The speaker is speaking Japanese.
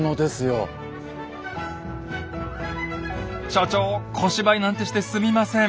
所長小芝居なんてしてすみません。